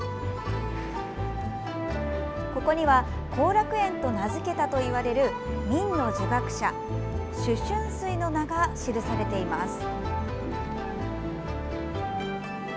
ここには後楽園と名付けたといわれる明の儒学者朱舜水の名が記されています。